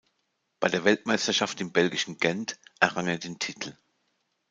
Bei der Weltmeisterschaft im belgischen Gent errang er den Titel.